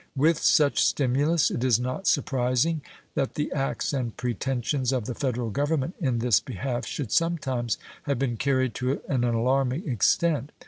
With such stimulus it is not surprising that the acts and pretensions of the Federal Government in this behalf should some times have been carried to an alarming extent.